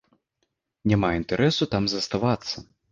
Няма інтарэсу там заставацца.